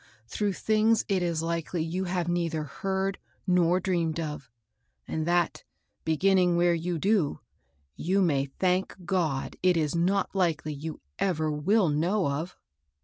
— through things it is likely you have neith^ heard nor dreamed of, and that, beginning where you do, you may thank God it is not likely you ever will know of."